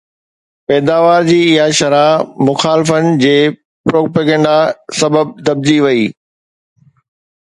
پيداوار جي اها شرح مخالفن جي پروپيگنڊا سبب دٻجي وئي